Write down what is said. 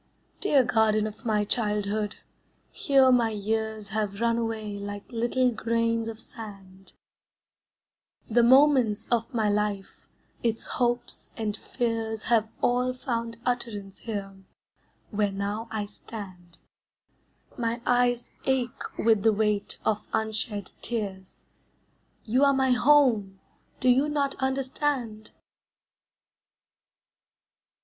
Dear garden of my childhood, here my years Have run away like little grains of sand; The moments of my life, its hopes and fears Have all found utterance here, where now I stand; My eyes ache with the weight of unshed tears, You are my home, do you not understand?